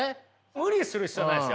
無理する必要はないですよ。